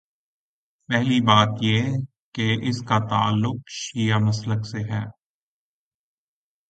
پہلی بات یہ کہ اس کا تعلق شیعہ مسلک سے ہے۔